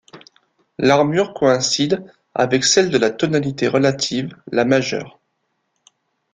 L'armure coïncide avec celle de la tonalité relative la majeur.